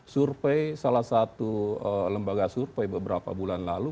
survei salah satu lembaga survei beberapa bulan lalu